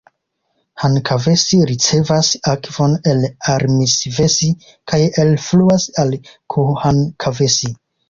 Hankavesi ricevas akvon el Armisvesi kaj elfluas al Kuuhankavesi.